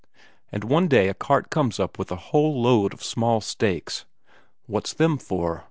And one day a cart comes up with a whole load of small stakes. What's them for?